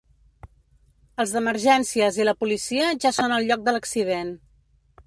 Els d’emergències i la policia ja són al lloc de l’accident.